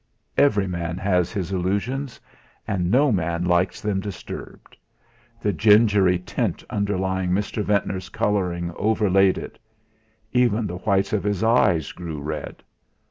Every man has his illusions, and no man likes them disturbed. The gingery tint underlying Mr. Ventnor's colouring overlaid it; even the whites of his eyes grew red.